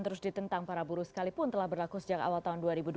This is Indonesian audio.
terus ditentang para buruh sekalipun telah berlaku sejak awal tahun dua ribu dua puluh